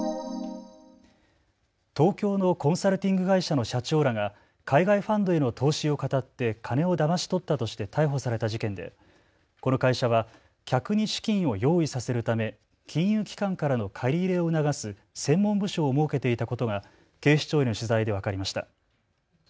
東京のコンサルティング会社の社長らが海外ファンドへの投資をかたって金をだまし取ったとして逮捕された事件でこの会社は客に資金を用意させるため金融機関からの借り入れを促す専門部署を設けていたことが警視庁への取材で分かりました。